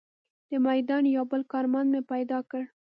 د میدان یو بل کارمند مې پیدا کړ.